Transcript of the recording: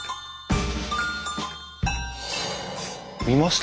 見ました。